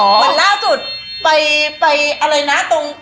วันล่าสุดไปอะไรนะตรง